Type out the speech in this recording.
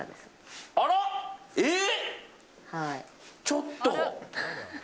ちょっと。